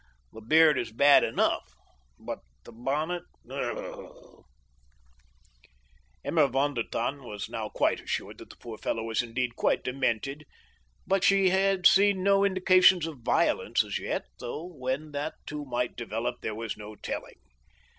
The beard is bad enough, but the bonnet—ugh!" Emma von der Tann was now quite assured that the poor fellow was indeed quite demented, but she had seen no indications of violence as yet, though when that too might develop there was no telling.